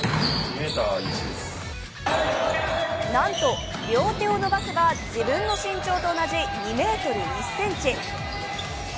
なんと、両手を伸ばせば自分の身長と同じ２ｍ１ｃｍ。